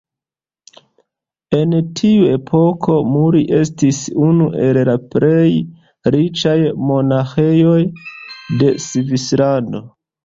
En tiu epoko Muri estis unu el la plej riĉaj monaĥejoj de Svislando.